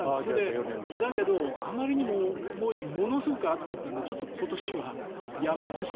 だけど、あまりにも重いし暑かったのでちょっと今年はやめました。